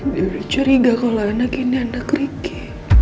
dari curiga kalau anak ini anak ricky